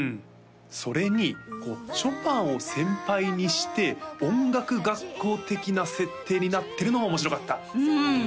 それにこうショパンを先輩にして音楽学校的な設定になってるのも面白かったうん